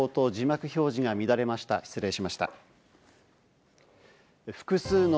今の中継の冒頭、字幕表示が乱れました、失礼しました。